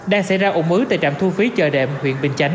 đang xảy ra ủng ứ tại trạm thu phí chờ đệm huyện bình chánh